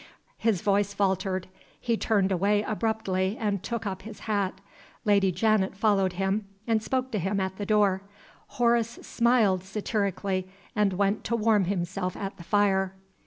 His voice faltered. He turned away abruptly and took up his hat. Lady Janet followed him, and spoke to him at the door. Horace smiled satirically, and went to warm himself at the fire.